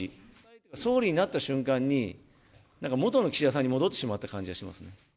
総理になった瞬間に、なんか元の岸田さんに戻ってしまった感じがしますね。